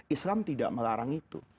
islam tidak melarang itu